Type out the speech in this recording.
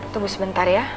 tunggu sebentar ya